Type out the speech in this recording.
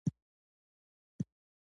متل د ولسي افکارو بېلابېل رنګونه انځوروي